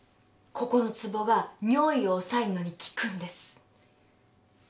ここのつぼが尿意を抑えるのに効くんです。